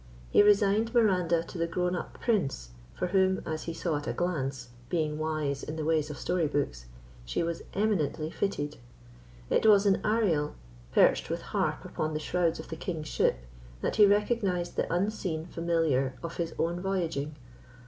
He resigned Miranda to the grown up prince, for whom (as he saw at a glance, being wise in the ways of story books) she was eminently fitted. It was in Ariel, perched with harp upon the shrouds of the king's ship, that he recognised the unseen familiar of his own voyaging.